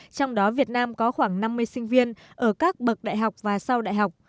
trong đó việt nam có khoảng năm mươi sinh viên ở các bậc đại học và sau đại học